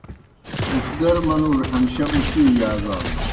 اُوݜگر منُوڙوْ ہمشہ اُڇِیؤ یازانوْ۔